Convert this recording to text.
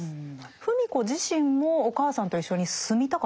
芙美子自身もお母さんと一緒に住みたかったんでしょうか？